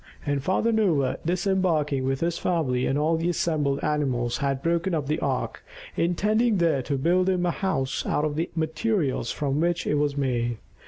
And Father Noah, disembarking with his family and all the assembled animals, had broken up the ark, intending there to build him a house out of the materials from which it was made.